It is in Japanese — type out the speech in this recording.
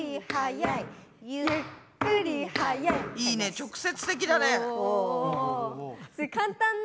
いいね直接的だね。